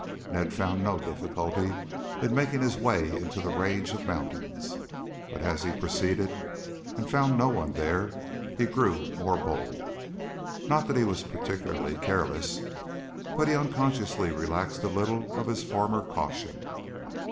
Ned found no difficulty in making his way into the range of mountains, but as he proceeded and found no one there he grew more bold. Not that he was particularly careless, but he unconsciously relaxed a little of his former caution.